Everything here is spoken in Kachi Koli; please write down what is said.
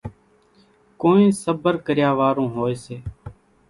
ڪونئين صڀر ڪريا وارون هوئيَ سي۔